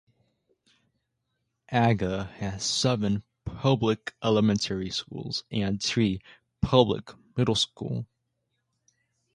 Aga has seven public elementary schools and three public middle school.